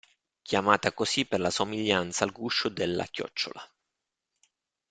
Chiamata così per la somiglianza al guscio della chiocciola.